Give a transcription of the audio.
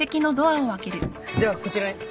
ではこちらへ。